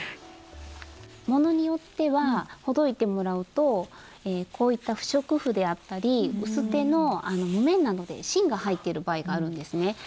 ものによってはほどいてもらうとこういった不織布であったり薄手の木綿などで芯が入っている場合があるんですね。